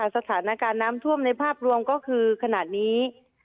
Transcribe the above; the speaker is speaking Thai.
สถานการณ์น้ำท่วมในภาพรวมก็คือขนาดนี้